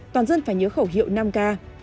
toàn dân phải nhớ khẩu hiệu năm k